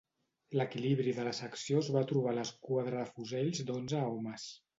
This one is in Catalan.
L'equilibri de la secció es va trobar a l'esquadra de fusells d'onze homes.